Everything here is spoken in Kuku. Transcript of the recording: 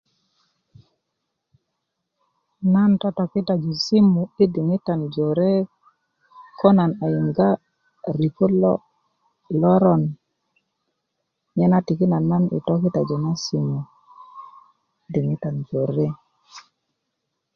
nan totokitaju simu i diŋitan jore ko nan a yinga report loŋ a loron nyen na tikinda na i tokitaju na simu diŋitan jore